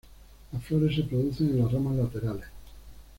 Las flores se producen en las ramas laterales.